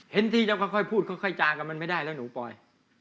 เห็นที่เอาค่อยค่อยพูดค่อยค่อยเจากับมันไม่ได้แล้วหนูปลอย